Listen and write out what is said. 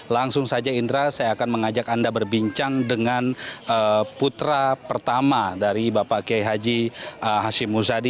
langsung saja indra saya akan mengajak anda berbincang dengan putra pertama dari bapak kiai haji hashim muzadi